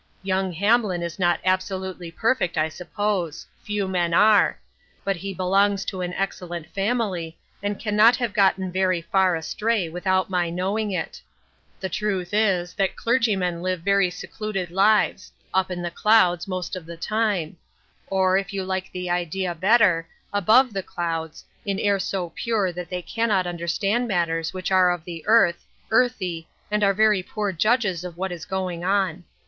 Young Hamlin is not absolutely perfect, I suppose ; few men are ; but he belongs to an excellent family and cannot have gotten very far astray without my know ing it. The truth is, that clergymen live very secluded lives — up in the clouds, most of the time ; or, if you like the idea better, above the clouds, in air so pure that they cannot understand matters which are of the earth, earthy, and are very poor judges of what is going on.